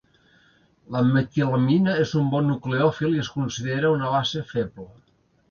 La metilamina és un bon nucleòfil i es considera una base feble.